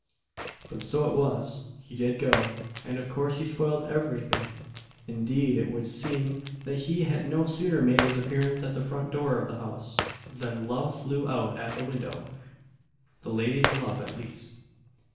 But so it was, he did go, and of course he spoiled every thing indeed, it would seem that he had no sooner made his appearance at the front door of the house, than "love flew out at the window" the lady's love at least.